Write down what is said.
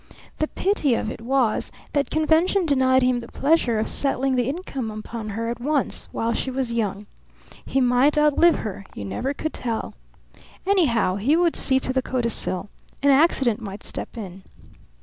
The pity of it was that convention denied him the pleasure of settling the income upon her at once, while she was young. He might outlive her; you never could tell. Anyhow, he would see to the codicil. An accident might step in.